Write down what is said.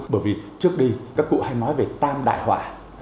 bởi vì trước đi các cụ hay nói về tam đại họa